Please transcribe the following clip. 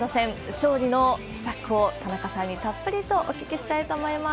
勝利の秘策を、田中さんにたっぷりとお聞きしたいと思います。